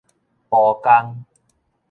浦江